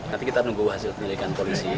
nanti kita nunggu hasil pilihan polisi